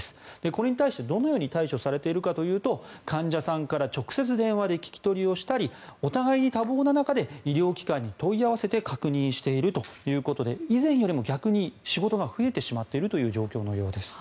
これに対してどのように対処されているかというと患者さんから直接電話で聞き取りをしたりお互いに多忙な中で医療機関に問い合わせて確認しているということで以前よりも逆に仕事が増えていしまっているという状況のようです。